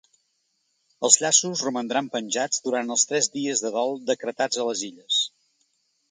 Els llaços romandran penjats durant els tres dies de dol decretats a les Illes.